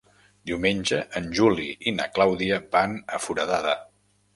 Diumenge en Juli i na Clàudia van a Foradada.